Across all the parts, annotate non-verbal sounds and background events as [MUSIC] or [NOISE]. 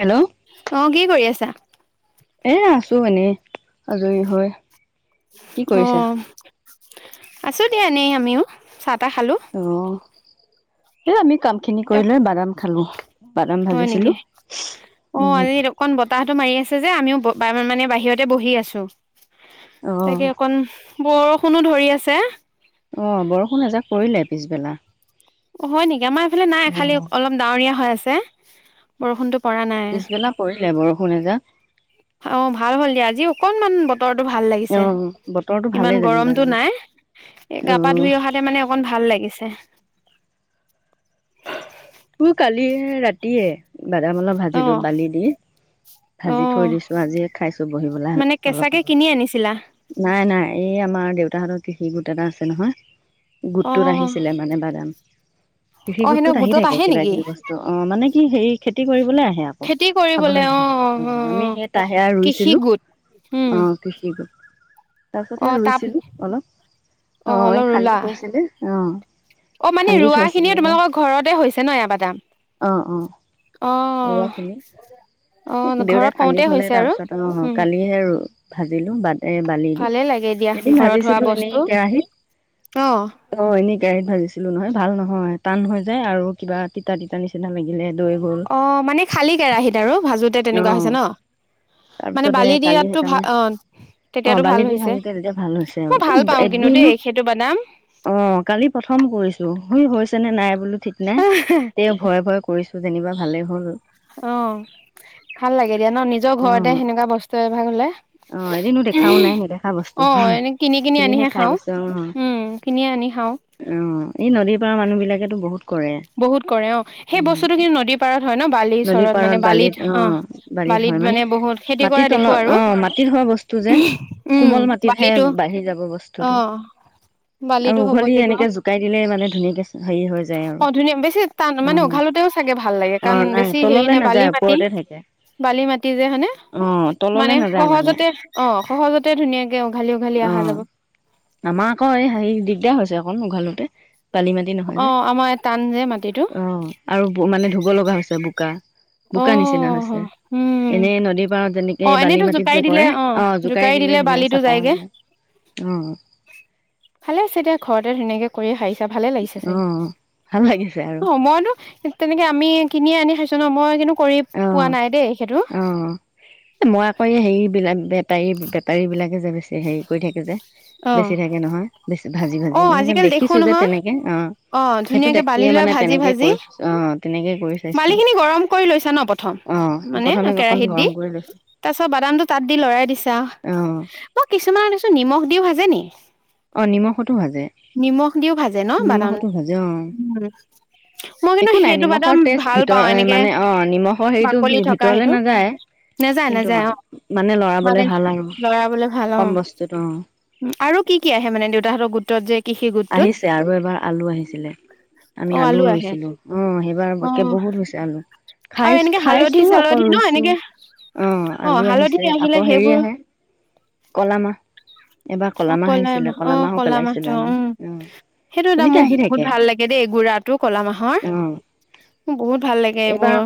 Hello. আহ, কি কৰি আছা। এ আছো এনেই আজৰি হয় অহ। আছো দিয়া এ নই আমিও চ তো [UNINTELLIGIBLE] কামখিনি কৰি লৈ বাদাম খালো। বাদাম হয় ভাজিছিলো নেকি অ উম আজি অকন বতাহতটো মাৰি আছে যে আমিও মানে বাহিৰতে বহি আছো। অ তাকাকে অ'কন বৰষুণো ধৰি আছে। অ বৰষুণ এজাক পৰিলে পিছবেলা। অ, হয় নেকি আমাৰ এইফে নাই অ খালি অলপ ডাৱৰীয়া হৈ আছে। বৰষুণ পিছবেলা কৰিলে বৰষুণ এজাক মান বতৰটো ভাল অ লাগিছে বতৰটো ভালেই ইমান যেনিবা গৰমতটো আজি নাই অ গা পা ধুই অহাতে মানে অকন ভাল লাগিছে মোৰ কালি ৰাতিয়ে। বাদাম অলপ অ ভাজিলোঁ, বালি দি অ ভাজি থৈ দিছো আজিয়ে খাইছো বহিবলৈ মানে অলপ কেঁচাকে আগত কিনি আনিছিলা নাই নাই। এই আমাৰ দেউতাহতৰ কৃষি গোট এটা আছে নহয়। অ গোটটোত আহিছিলে মানে বাদাম কৃষি অ সেনে গোটটোত আহি গোটত থাকে। আহে কিবা নেকি কিবি বস্তু অ মানে কি হেৰি খেতি কৰিবলৈ। আকৌ খেতি কৰিবলে খাবলৈ অ নহ অ আমি সেই তাহেৰা কৃষি ৰুইছিলো গোট উম অ কৃষি। তাৰপিছত অ আৰু তাপ ৰুইছিলোঁ অলপ অ এই অলপ ৰুলা খান্দি থৈছিলে অ খান্দি থৈছিলে। নয়ব দাম অ অ অ ৰোৱাখিনি অ দেউতাই ঘৰত খান্দি কওঁতে থলে হৈছে আৰু। তাৰপিছত অ কালিহে ভাজিলো ব। এ বালি দি ভালে লাগে দিয়া এদিন ঘৰত হোৱা ভাজিছিলো এনেই বস্তু অ কেৰাহিতত অ এনে। কেৰাত ভাজিছিলোঁ নহয় ভাল নহয় টান হৈ যায় আৰু। কিবা তিতা তিতা নিচিনা লাগিলে। দৈ গ'ল অ মানে খালী কেৰাহীিত আৰু ভাজোতে অ তেনেকুৱা হৈছে ন মানে তাৰপিছতে বালি কালি দিয়াতো ভাল সেইকাৰণে অ অ তেতিয়াতো বালি ভাল দি হৈছে। ভালকে তেতিয়া ভাল হৈছে আৰু মই এ ভাল পাও কিন্তু এদিনো দেই সেইটো বদাম। অ কালি প্ৰথম কৰিছো শুই হৈছে নে নাই বোলো ঠিক। তে ভয়ে ভয়ে কৰিছো যেনিবা। ভালেই হ'ল। অ ভাল লাগে দিয়া ন নিজৰ অ ঘৰতে সেনেকুৱা বস্তুৱ এভাগ হলে। অ এদিনো দেখাও নাই নেদেখা বস্তু অহ এনে কিনি কিনি কিনিহে আনিহে খাই খাওঁ পাইছো অ উম কিনি আনি খাওঁ। অ এই নদীৰ পাৰা মানুহ বিলাকেত তো বহুত কৰে। উ বহুত কৰে অ সেই বস্তুটো কিন্তু নদীৰ পাৰত হয় ন বালি নলি চৰত মানে পাৰত বালিত অ বালিত হয় মানে বহুত খেতি কৰা দেখো মাটিতলত আৰু অ মাটিত হয়। বস্তু যে কোমল মাটিতহে বালিটো বাঢ়ি যাব অ বস্তুটো আৰু বালিটো হ'ব উঘলি লাগিব এনেকে জোকাই দিলে মানে ধুনীয়াকে হেৰি হৈ যায় আৰু। অ ধুনীয়া বেছি। টান মানে অ উঘালোতেও চাগে ভাল লাগে কাৰণ অ', নাই বেছি হেৰি তললে নে বালি নাযায় মাটি ওপৰতে থাকে বালি মাটি যে হানে অ', তললে মানে নাযায় মানে সহজতে অ সহজতে ধুনীয়াকে উঘালি উঘালি অহা অ', যাব। আমাৰ আকৌ এই হেৰি দিগদাৰ হৈছে অকণ উঘালোতে বালি মাটি নহয় অ যে আমাৰ টান যে মাতি। অ আৰু মানে ধুব লগা হৈছে বোকা অ বোকা নিচিনা হৈছে উম এনেই নদীৰ পাৰত যেনেক। অ এনেইতো জোকাৰি দিলে অ জোকাৰি দিলে ধুনীয়া বালিটো চাফা হৈ যায়গে যায় অ', ভালে আছে এতিয়া ঘৰতে ধুনীয়াকে। কৰি খাই। ভালে লাগিছে অ', ভাল লাগিছে আৰু চাই অ মইতো। তেনেকে আমি কিনি আনি খাইছো ন মই কিন্ত। কৰি অ', পোৱা নাই দেই সেইটো। এই মই আকৌ এই হেৰিবিলাক বেটাৰী বেটাৰীবিলাকে যে বেছি হেৰি কৰি থাকে যে। বেছি থাকে নহয় বেছি ভাজি অ ভাজি মানে আজিকালি দেখো দেখিছো যে নহয় তেনেকে অ সেইটো ধুনীয়াকে বালি দেখিয়ে লৈ মানে ভাজি তেনেকেই ভাজি কৰিো অহ তেনেকেই কৰি চাইছো বালি আৰু। খিনি গৰম কৰি লৈছা ন অ মানে প্ৰথমে অকন কেৰাহত দি গৰম কৰি লৈছো তাৰ পিছত বাদামটো তাত দি লৰাই দিছা অ মই কিছুমান দিছো নিমখ। দিওঁ ভাজে নি। অ নিমখতো ভাজে নিমখ দিও ভাজে ন বাদাম নিমখতো ভাজে অ উম মই কিন্তু একো নাই সেইটো নিমখৰ বাদাম টেষ্ট ভাল ভিত পাও এনেকে মানে অ নিমখৰ হেৰিটো বাকলি থকা ভিতৰলে সেইটো নাযায়। নাযায় কিন্তু নাযায় অ মানে লৰাবলে ভাল আৰু কম বস্তুত অ। উ আৰু কি আহে মে দেউতাহঁতৰ গো। ত যে। কৃষি গোটটোত আহিছে আৰু এবাৰ আলু আহিছিলে অ আমি আলু আহে ৰুইছিলো অ সেইবাৰে অ বহুত হৈছে আলু আৰু খাই এনেকে হালধি খাইছো আকৌ চালধি ন ৰুইছো এনেকে অ আলু হালধি আহিছে আহিলে আকৌ হেৰি সেইবোৰ আহে কলা মাহ। এবাৰ অ কলামাহ কলা আহিছিলে মাহ অ কলা মাহো মাহটো পেলাইছিলো আমি। উম অ সেইটো এটা তেনেকে মোৰ আহি বহুত থাকে ভাল লাগে দেই এই গুড়াটো ক'লা মাহৰ অ মোৰ বহুত ভাল লাগে এইবাৰ এইবোৰ।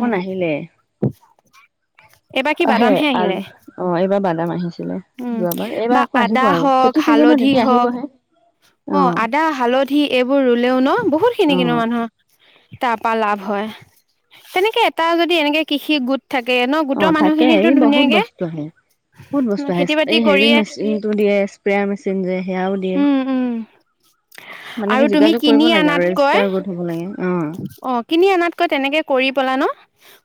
এইবাৰ কি অ সেই বাদামহে আহিলে আলু অ এইবাৰ বা দাম আহিলে। উম বা আদা হওক খেতি চিজনত হালধি এতিয়া হওক আহিবহে অ আদা হালধি এইবোৰ ৰুলেও ন বহুত খিনি অ কিন্তু মানুহৰ তাৰ পৰাা লাভ হয়। তেনেকে এটা যদি এনেকে কৃষি গোট থাকে ন অ গোটৰ মানুহ থাকে খিনিটো এই বহুত ধুনীয়াকে বস্তু আহে বহুত বস্তু খেতি বাতি এই হেৰি কৰিয়ে মেচিনটো দিয়ে স্প্ৰেয় মেচিন যে সেয়াও দিয়ে উম উম মানে কি আৰু তুমি যোগাযোগ কৰিব কিনি লাগে আৰু আনাতকৈ ৰেজিষ্টাৰ গোট হ'ব লাগে অ অ কিনি আনাতকৈ তেনেকে কৰি পেলা ন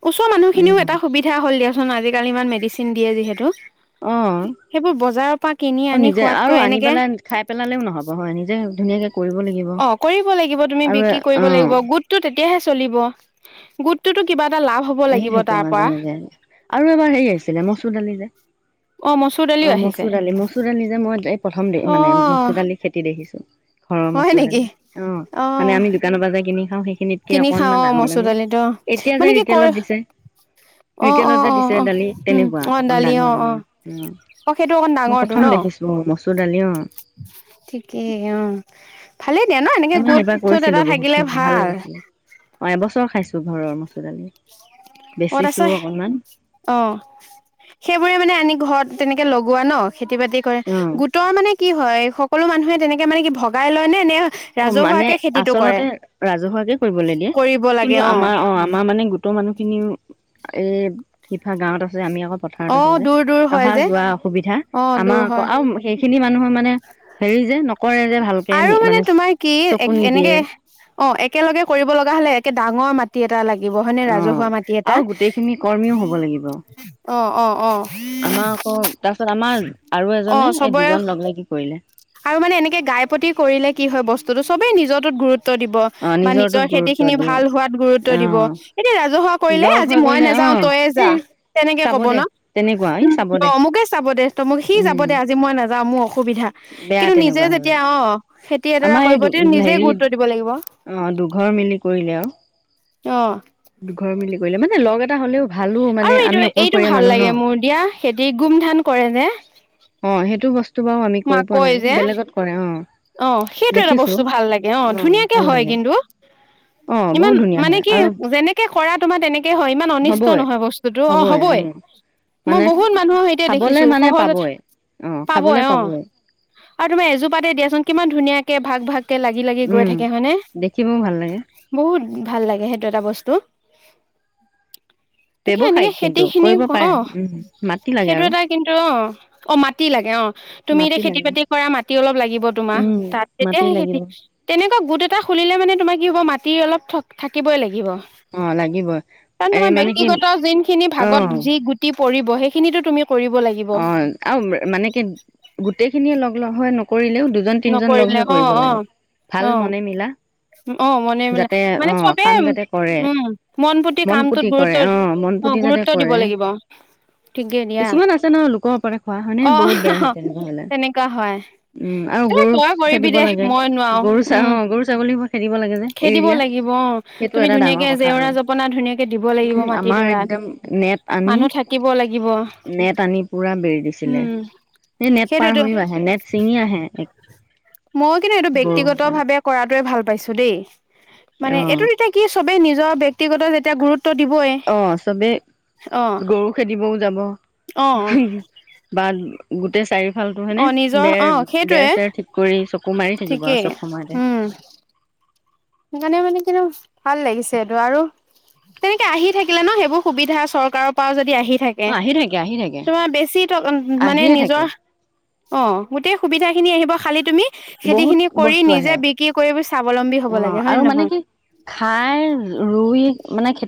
ওচৰ মানুখিনও উম এটা সুবিধা হলিয় আজিকালি ইমান মেডিচিন দিয়ে যিহেতু অ সেইবোৰ বজাৰৰ পৰা কিনি অ আনি নিজে আৰু খোৱাতকৈ আনি এনেকে পেলাই খাই পেলালেও নহব হয় নিজে ধুনীয়াক অ কৰিব লাগিব তুমি বিক্ৰী কৰিব লাগিব অ গোটতটো তেতিয়াহে চলিব গোটটোতো কিবা এটা লাভ হ'ব আহি লাগিব থাকে তাৰ মাজে পৰা মাজেে আৰু এবাৰ হেৰি আহিছিলে মচুৰ দালি যে অ মচুৰ দালিও অ আহিছে মচুৰ দালি মচুৰ দালি যে মই এই প্ৰথম অ মানে মচুৰ দালি খেতি দেখিছো ঘৰৰ হয় মচুৰ নেকি দালি অ অ মানে আমি দোকানৰ পৰা যাই কিনি খাওঁ সেইখিনিতকে কিনি খাও অ মচুৰদালিটো অ, মানে কি কৰে তেলত দিছে অ অ ৰিকেলত যে অ দিছে অ দালি উম তেনেকুৱা অ অকণ দালি ডাঙৰ অ অ ডাঙৰ অ সেইটো অকণ মই ডাঙৰটো ন প্ৰথম দেখিছো। মচুৰ দালি অ ঠিকেই অ ভালেই দিয়া ন এনেকে আ গোট সেইবাৰ চোট এটা কৰিছিলো বহুত থাকিলে খিনি ভাল লাগিছিলে অ এবছৰ খাইছো চো ঘৰৰ মছুৰ দালি অ বেচিছো অকনমান তাৰপিছত অ সেইবোৰে মানে আনি ঘৰত তেনেকে লগোৱা ন খেতি বাতি কৰে অ গোটৰ মানে কি হয় সকলো মানুহে তেনেকে মানে কি ভগাই লয় নে নে অ মানে ৰাজহুৱাকে খেতিটো কৰে আচলতে ৰাজহুৱাকে কৰিবলৈ দিয়ে। কৰিব কিন্তু, লাগে আমাৰ অ আমাৰ মানে গোটৰ মানুহ খিনিও এই ফিফা গাঁৱত আছে। আমি আকৌ পথাৰত অ আছো যে। দূৰ দূৰ হয় যে অহা-যোৱা অসুবিধা, অ আমাৰ দূৰ আকৌ হয় আৰু সেইখিনি মানু মানুহৰ মানে হেৰি যে নকৰে যে ভালকে আৰু মানে তোমাৰ কি এ চকু নিদিয়ে এনেকে অ, একেলগে কৰিব লগা হলে একে ডাঙৰ মাটি এটা লাগে। অ, আৰু গোটেইখিনি কৰ্মীও হ'ব লাগিব। অ, অ, অ। আমাৰ আকৌ তাৰপিছত আমাৰ আৰু অ এজনে, এই চবৰে দুজন লগ লাগি কৰিলে। আৰু মানে এনেকে গাই প্ৰতি কৰিলে কি হয় বস্তুটো চবেই নিজৰটোত গুৰুত দিব অ বা নিজৰটোত নিজৰ খেতি গুৰুত্ব খিনি দিয়ে ভাল হোৱাত গুৰুত্ব অ দিব। এনে ৰাজহুৱা কৰিলে লগ আজি হৈ মই কৰিলে অ নাযাও, তয়ে যা এই তেনেকে চাব কব দে ন। তেনেকুৱা এই চাব উ দে অ মোকে চাব দে, তমোক সি যাব উম দে আজি মই নাযাও মোৰ অসুবিধা। বেয়া কিন্তু নিজে তেনেকুৱা হলে যেতিয়া অ খেতি এডৰা আমাৰ এই কৰিব তে নিজে হেৰি গুৰুত্ব দিব লাগিব। অ দুঘৰ মিলি কৰিলে আৰু। অ। দুঘৰ মিলি কৰিলে মানে লগ এটা হলেও ভালো মানে আৰু এইটো, আমি এইটো অকলশৰীয়া ভাল মানুহ ন লাগে মোৰ। দিয়া সেহেতি গুম ধান কৰে ন? অ সেইটো বচ তো বাও আমি কৰি পোৱা নাই। যে বেলেগত কৰে অ। অ, সেইটো এটা দেখিছো বস্তু ভাল লাগে। অ, ধুনীয়াকে ভাল হয় লাগে কিন্তু। অ ইমান বহুত ধুনীয়া মানে হয় কি আৰু যেনেকে কৰা তোমাৰ তেনেকে হয়। ইমান অনিষ্ট হ'বই নহয় বস্তুটো। অ, হবই। মই মানে বহুত মানুহৰ সৈতে খাবলে দেখিছো মানে সহজত পাবই অ খাবলে পাবই অ আৰু তোমাৰ এযোৰ পাতে দিয়াচোন কিমান ধুনীয়াকে ভাগ-ভাগ কে লাগি-লাগি গৈ উম থাকে হয়নে? দেখিবও ভাল লাগে বহুত ভাল লাগে সেইটো এটা বস্তু। [INAUDIBLE] তাকে এনেকে ব্যৱসায়িক খেতি কিন্তু খিনি, কৰিব পাৰে অ উম মাটি লাগে সেইটো আৰু এটা কিন্তু অ অ, মাটি লাগে অ। তুমি এতিয়া মাটি লাগে খেতি-বাতি কৰা মাটি অলপ লাগিব। উম তাত তেতিয়া মাটি সেই খেতি লাগিব তেনেকুৱা গোট এটা খুলিলে মানে তোমাৰ কি মাটি অলপ থ থাকিবই লাগিব। অ লাগিবই কাৰণ এ তোমাৰ মানে কি ব্যক্তিগত যিনখিনি ভাগত যি গুটি পৰিব সেই সিনিটো তুমিও অহ আৰু মানে কি গোটেই খিনিয়ে লগ নহয় নকৰিলেও দুজন তিনজন লগ নকৰিলে হৈ অহ কৰিব লাগে ভাল অহ মনে মিলা অহ অহ মনে মিলাই যাতে অ মানে চবে কাম যাতে কৰে উম মন পুতি কামটোত কৰে গুৰুত্ব অ মন পুতি অহ যাতে গুৰুত্ব দিব কৰে লাগিব ঠিকে দিয়া কিছুমান আছে ন লোকৰ ওপতে খোৱা হয় নে অ বহুত বেয়া হয় তেনেকুৱা হ'লে উম আৰু এহ গৰু তই এ কৰিবি খেদিব দে লাগে মই নোৱাৰো গৰু চা অ উম গৰু ছাগলীবোৰ খেদিব লাগে যে এৰি খেদিব দিয়া লাগিব অহ সেইটো তুমি এটা ডাঙৰ ধুনীয়াকে কথা জেওৰা আৰু -জপনা ধুনীয়াকে দিব উম লাগিব আমাৰ একদম নেট মাটিডৰাত মানুহ থাকিব লাগিব সি পুৰা বেৰি দিছিলে, উম সি নেট পাৰ হৈও‌ আহে নেট চিঙি আহে এক মই কিন্তু এইটো গৰু ব্যক্তিগত সোপা ভাৱে কৰাটোৱে ভাল পাইছো। দেই মানে অ', এইটোত এতিয়া কি চব নিজৰ ব্যক্তিগত যেতিয়া গুৰুত্ব দিবই অহ চবেই অ', গৰু খেদিবও যাব অ', বাহ গোটেই চাৰি ভালটো হয়েনে, অ', নিজৰ অ', বেৰ সেইটোৱে বেৰ চেৰ ঠিক কৰি চকু মাৰি থাকিব আৰু ঠিকেই চব সময়তে উম, সেইকাৰণে মানে কিন্তু ভাল লাগিছে এইটো আৰু তেনেকে আহি থাকিলে নহ সেইবোৰ সুবিধা চৰকাৰৰ পৰাও যদি আহি থাকে আহি থাকে আহি থাকে তোমাৰ বেছি ট মানে আহিয়ে থাকে নিজৰ অহ গোটেই সুবিধা খিনি আহিব খালি তুমি খেতি বহুত খিনি কৰি বস্তু নিজে আহে বিক্ৰী কৰি স্বাৱলম্বী হ'ব লাগে। অ', হয় আৰু নে মানে নহয়? কি খাই ৰুই মানে খে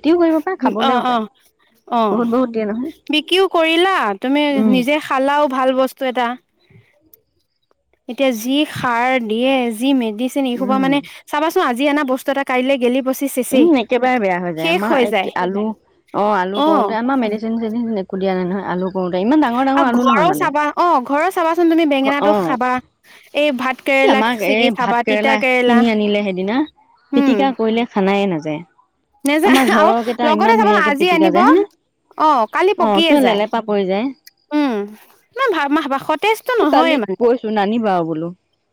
অহ অহ অহ বহুত বহুত দিয়ে নহয় বিক্ৰীও কৰিলা তুমি উম নিজে খালাও ভাল বস্তু এটা এতিয়া যি সাৰ দিয়ে যি মে মেদিচিন এই খোপা‌ উম মানে চাবাচোন আজি আজি এনা বস্তু এটা কাইলৈ গেলি- পচি চেচেই উম একেবাৰে বেয়া হৈ যায় শেষ আমাৰ যায় এই আলু অহ আলু অ কৰোঁতে আমাৰ মেডিচিন চেডচিন একো ওলিয়াই অনা নাই নহয় আলু কৰোতে ইমান ডাঙৰ ডাঙৰ আৰু আলু নহয় ঘৰৰ মানে চাবা অহ ঘৰৰ চাবা চোন তুমি বেঙেনা টো অ', খাবা এই ভাত কেৰেলা আমাক এই ছিগি ভাত খাবা তিতা কেৰেলা কিনি আনিলে সেইদিনা পিটিকা কৰিলে খা নাই নাযায়। নৈযা আমাৰ আৰু ঘৰৰ কেইটা ইমান লগতে যাব ধুনীয়াকে আজি পিটিকা আনিব যায় হয়নে অ কালি অ', পকিয়ে কিবা যায়। লেলেপা পৰি যায় উম, ভাহমাহ পাশতে তেজটো কালি নহয় মানে কৈছো নানিবা [INAUDIBLE]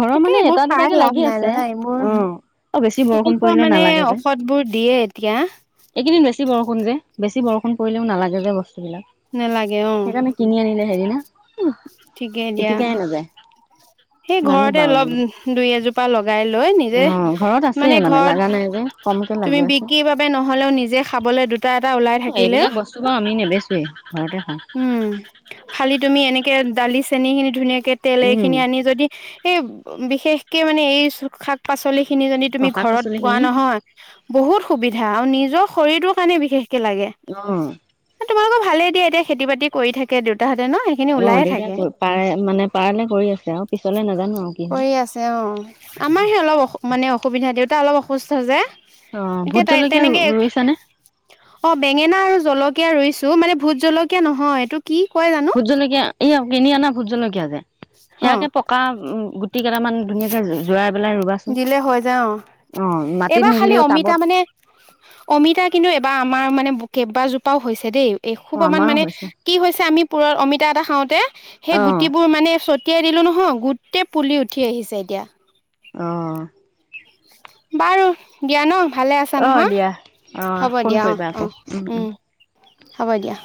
ঘৰৰ তাকে মানে এইবোৰ এটা খাই দুটাকে লাভ লাগি নাই আছে জানা এইবোৰ অ আৰু বেছি বৰষুণ এনেকুৱা পৰিলে মানে নালাগে যে। ঔষধ বোৰ দিয়ে এতিয়া এইকেইদিন বেছি বৰষুণ যে, বেছি বৰষুণ ফোন কৰিলেও নালাগে যে বস্তু সেইবিলাক নালাগে অ সেইকাৰণে কিনি আনিলে হেৰি ন। উহ ঠিকে উতি দিয়া খাই নাযায়। সেই ঘৰতে নানিবা অলপ বোলো দুই এজোপা লগাই লৈ অ নিজে ঘৰত আছে মানে ঘৰত লগা নাই যে কমকে তুমি লাগি আছে বিক্ৰী বাবে নহলেও নিজে খাবলৈ দুটা এটা কিবা ওলাই থাকিলেও এইবিলাক বস্তু বাৰু আমি নেবেচোৱে ঘৰতে খাওঁ উম খালি তুমি এনে দালি চেনি খিনি ধুনীয়াক তেল এ উম খিনি আনি যদি সেই বিশেষকে মানে এই শাক পাচলি খিনি জনী অ তুমি শাক ঘৰত পাচলি পোৱা খিনি নহয়। বহুত সুবিধা আৰু নিজৰ শৰীৰটোৰ কাৰণে বিশেষ কে লাগে অ তোমালোকৰ ভালে দা এতিয়া খেতি বাতি কৰি থাকে দেউতাহঁতে ন অ ওলাইয়ে দেউতাই থাকে, পাৰে মানে পাৰলে কৰি আছে আৰু পিছলে নাজানো আৰু কি হয় কৰি আছে অহ আমাৰহে অলপ অসু মানে অসুবিধা দিওঁতে তা অলপ অসুস্থ যে'। অ, এতিয়া ভোত তাই জলকীয়া তেনেকে ৰুইছানে? অ বেঙেনা আৰু জলকীয়া ৰুইছো মানে ভোত জলকীয়া নহয় এইটো, কি কয় জানো ভোত জলকীয়া। এইৱাও কিনি আনা। এ ভোত জলকীয়া যে অ সেয়াকে পকা উ টি কেইটামান ধুনীয়াকে জৰাই পেলাই ৰুবাচোন দিলে হৈ যায় অহ। অ মাটিত এইবাৰ খালি নিদিলেও অমিতা টাবত মানে, অমিতা কিন্তু এইবাৰ আমাৰ মানে কেইবা জোপাও হৈছে দেই। এ অ সোপা মান আমাৰো মানে হৈছে কি হৈছে আমি, পুৰৰ অমিতা এটা খাওঁতে, সেই অ গুটিবোৰ মানে চত তিয়াই দিলো নহয় গোটেই পুলি উঠি আহিছে এতিয়া অ--হ বাৰু দিয়া ন ভালে আছা অ নহয়, দিয়া অ হ'ব ফোন দিয়া অহ', কৰিবা আকৌ অহ', উহ। হ'ব দিয়া।